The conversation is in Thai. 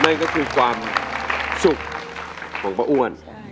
นั่นก็คือความสุขของป้าอ้วน